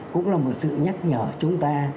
cũng là một sự nhắc nhở chúng ta